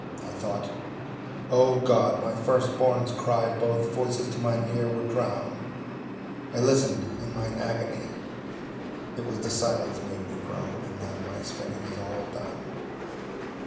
I thought, O God! my first born's cry Both voices to mine ear would drown: I listened in mine agony, It was the silence made me groan! And now my spinning is all done.